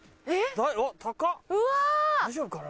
大丈夫かな？